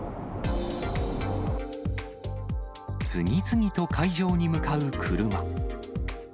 次々と会場に向かう車。